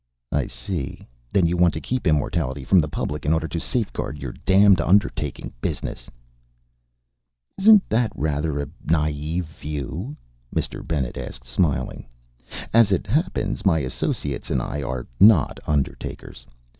"I see. Then you want to keep immortality from the public in order to safeguard your damned undertaking business!" "Isn't that rather a naive view?" Mr. Bennet asked, smiling. "As it happens, my associates and I are not undertakers.